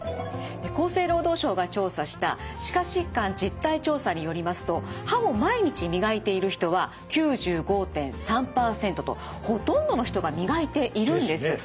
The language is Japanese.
厚生労働省が調査した歯科疾患実態調査によりますと歯を毎日磨いている人は９５．３％とほとんどの人が磨いているんです。